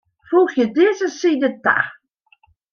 Foegje dizze side ta.